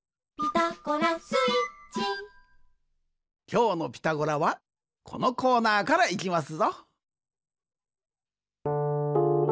きょうの「ピタゴラ」はこのコーナーからいきますぞ。